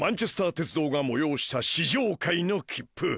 鉄道が催した試乗会の切符。